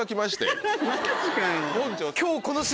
今日。